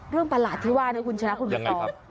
เรื่องประหลาดที่ว่านะคุณฉนะคุณผักต่อ